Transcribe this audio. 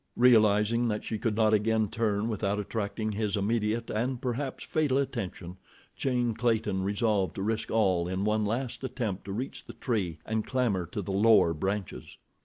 Realizing that she could not again turn without attracting his immediate and perhaps fatal attention, Jane Clayton resolved to risk all in one last attempt to reach the tree and clamber to the lower branches.